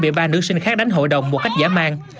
bị ba nữ sinh khác đến hội đồng một cách giả mang